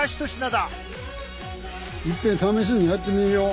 いっぺん試しにやってみろ。